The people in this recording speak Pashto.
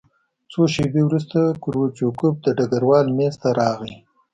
څو شېبې وروسته کروچکوف د ډګروال مېز ته راغی